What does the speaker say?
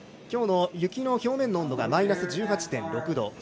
今日の雪の表面の温度がマイナス１８．６度。